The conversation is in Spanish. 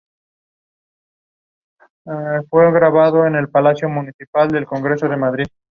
Hizo un capítulo de Mujeres Asesinas junto a Juana Viale.